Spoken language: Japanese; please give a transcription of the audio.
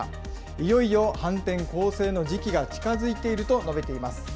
いよいよ反転攻勢の時期が近づいていると述べています。